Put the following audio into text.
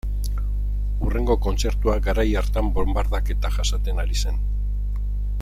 Hurrengo kontzertua garai hartan bonbardaketak jasaten ari zen.